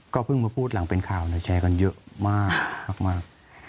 ก็พึ่งมาพูดหลังเป็นข่าวเนี่ยแชร์กันเยอะมากมาก